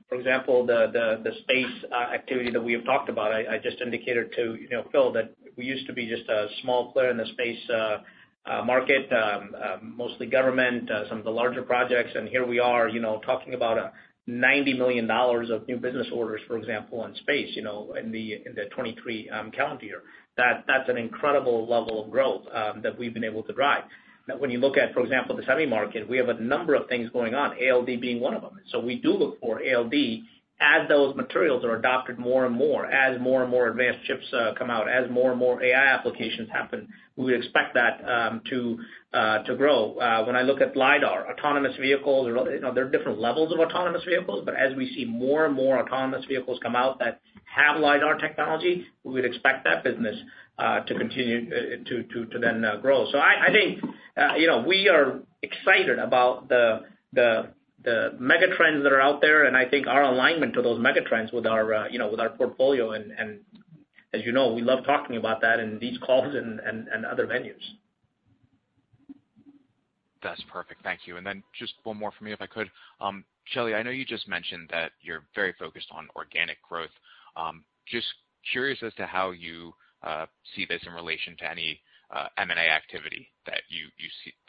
For example, the space activity that we have talked about, I just indicated to Phil that we used to be just a small player in the space market, mostly government, some of the larger projects. Here we are talking about $90 million of new business orders, for example, in space in the 2023 calendar year. That's an incredible level of growth that we've been able to drive. Now, when you look at, for example, the semi-market, we have a number of things going on, ALD being one of them. So we do look for ALD as those materials are adopted more and more, as more and more advanced chips come out, as more and more AI applications happen, we would expect that to grow. When I look at LiDAR, autonomous vehicles, there are different levels of autonomous vehicles, but as we see more and more autonomous vehicles come out that have LiDAR technology, we would expect that business to continue to then grow. So I think we are excited about the mega-trends that are out there, and I think our alignment to those mega-trends with our portfolio and as you know, we love talking about that in these calls and other venues. That's perfect. Thank you. And then just one more for me, if I could. Shelly, I know you just mentioned that you're very focused on organic growth. Just curious as to how you see this in relation to any M&A activity that you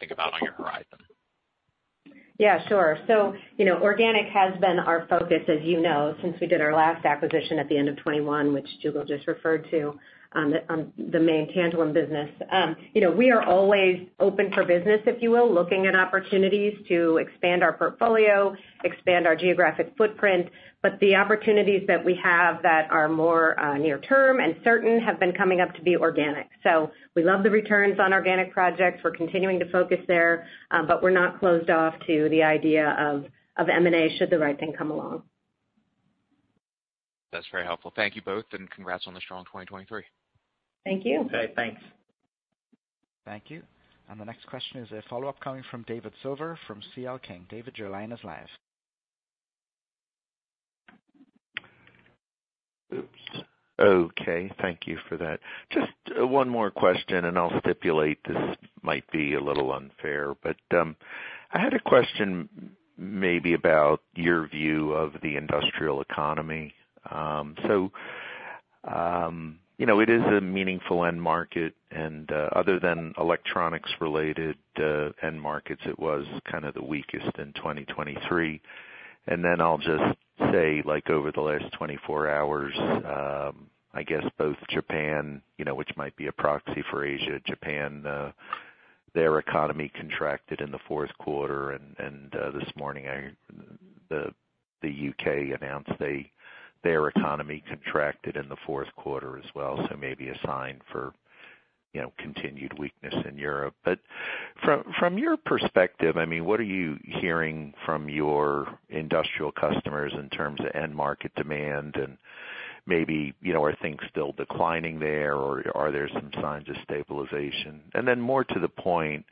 think about on your horizon. Yeah. Sure. So organic has been our focus, as you know, since we did our last acquisition at the end of 2021, which Jugal just referred to, the main tantalum business. We are always open for business, if you will, looking at opportunities to expand our portfolio, expand our geographic footprint. But the opportunities that we have that are more near-term and certain have been coming up to be organic. So we love the returns on organic projects. We're continuing to focus there, but we're not closed off to the idea of M&A should the right thing come along. That's very helpful. Thank you both, and congrats on the strong 2023. Thank you. Okay. Thanks. Thank you. The next question is a follow-up coming from David Silver from CL King. David, your line is live. Oops. Okay. Thank you for that. Just one more question, and I'll stipulate this might be a little unfair, but I had a question maybe about your view of the industrial economy. So it is a meaningful end market, and other than electronics-related end markets, it was kind of the weakest in 2023. And then I'll just say over the last 24 hours, I guess both Japan, which might be a proxy for Asia, Japan, their economy contracted in the fourth quarter. And this morning, the UK announced their economy contracted in the fourth quarter as well, so maybe a sign for continued weakness in Europe. But from your perspective, I mean, what are you hearing from your industrial customers in terms of end-market demand? And maybe are things still declining there, or are there some signs of stabilization? And then more to the point,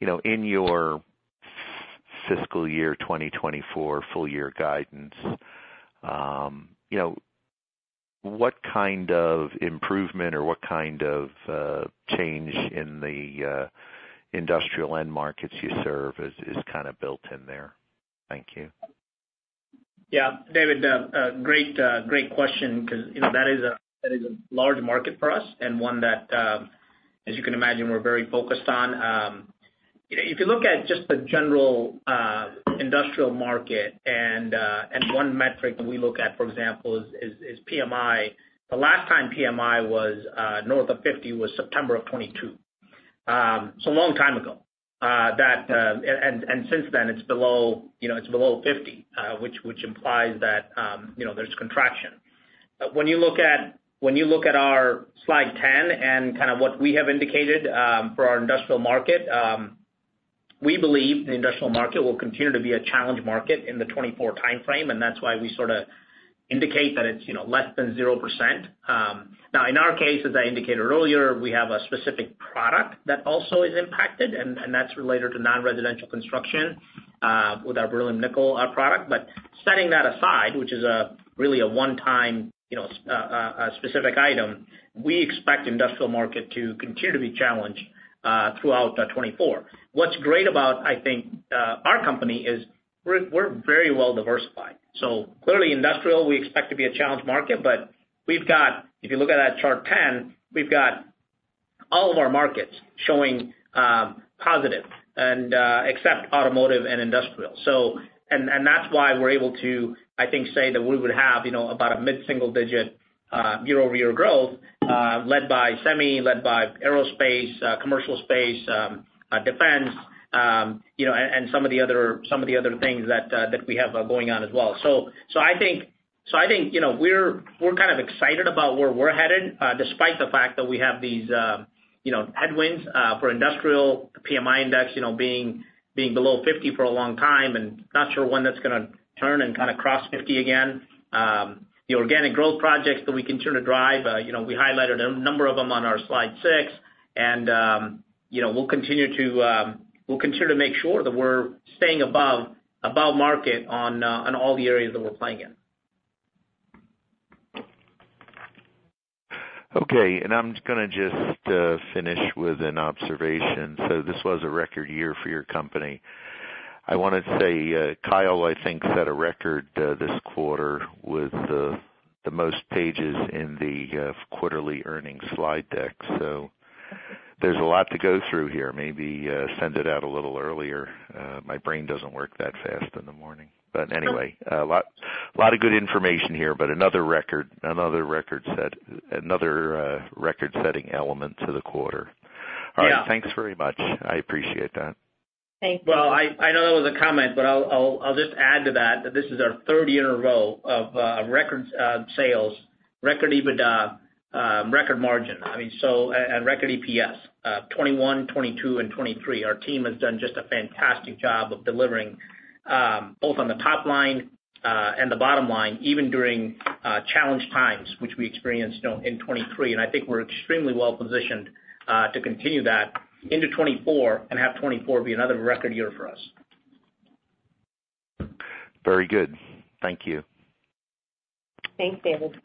in your fiscal year 2024 full-year guidance, what kind of improvement or what kind of change in the industrial end markets you serve is kind of built in there? Thank you. Yeah. David, great question because that is a large market for us and one that, as you can imagine, we're very focused on. If you look at just the general industrial market and one metric that we look at, for example, is PMI, the last time PMI was north of 50 was September of 2022, so a long time ago. And since then, it's below 50, which implies that there's contraction. When you look at our slide 10 and kind of what we have indicated for our industrial market, we believe the industrial market will continue to be a challenge market in the 2024 timeframe, and that's why we sort of indicate that it's less than 0%. Now, in our case, as I indicated earlier, we have a specific product that also is impacted, and that's related to non-residential construction with our beryllium-nickel product. But setting that aside, which is really a one-time specific item, we expect the industrial market to continue to be challenged throughout 2024. What's great about, I think, our company is we're very well diversified. So clearly, industrial, we expect to be a challenge market, but if you look at that Chart 10, we've got all of our markets showing positive except automotive and industrial. And that's why we're able to, I think, say that we would have about a mid-single-digit year-over-year growth led by semi, led by aerospace, commercial space, defense, and some of the other things that we have going on as well. So I think we're kind of excited about where we're headed despite the fact that we have these headwinds for industrial, the PMI index being below 50 for a long time and not sure when that's going to turn and kind of cross 50 again. The organic growth projects that we continue to drive, we highlighted a number of them on our slide 6, and we'll continue to make sure that we're staying above market on all the areas that we're playing in. Okay. And I'm going to just finish with an observation. So this was a record year for your company. I want to say Kyle, I think, set a record this quarter with the most pages in the quarterly earnings slide deck. So there's a lot to go through here. Maybe send it out a little earlier. My brain doesn't work that fast in the morning. But anyway, a lot of good information here, but another record-setting element to the quarter. All right. Thanks very much. I appreciate that. Thank you. Well, I know that was a comment, but I'll just add to that that this is our third year in a row of record sales, record EBITDA, record margin, I mean, and record EPS 2021, 2022, and 2023. Our team has done just a fantastic job of delivering both on the top line and the bottom line, even during challenging times, which we experienced in 2023. And I think we're extremely well positioned to continue that into 2024 and have 2024 be another record year for us. Very good. Thank you. Thanks, David.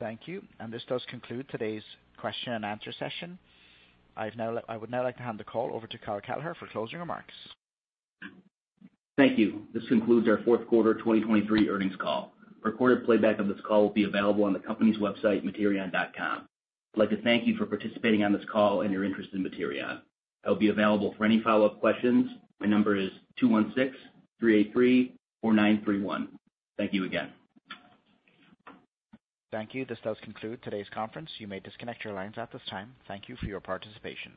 Thank you. This does conclude today's question-and-answer session. I would now like to hand the call over to Kyle Kelleher for closing remarks. Thank you. This concludes our fourth quarter 2023 earnings call. Recorded playback of this call will be available on the company's website, Materion.com. I'd like to thank you for participating on this call and your interest in Materion. I'll be available for any follow-up questions. My number is 216-383-4931. Thank you again. Thank you. This does conclude today's conference. You may disconnect your lines at this time. Thank you for your participation.